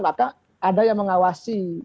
maka ada yang mengawasi